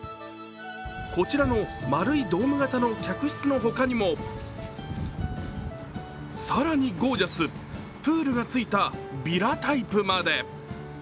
こちらの丸いドーム型の客室の他にも、更にゴージャス、プールがついたヴィラタイプまで。